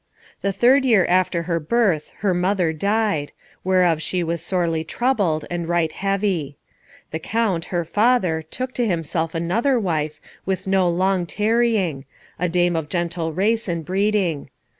The third year after her birth her mother died, whereof she was sorely troubled and right heavy. The Count, her father, took to himself another wife with no long tarrying, a dame of gentle race and breeding.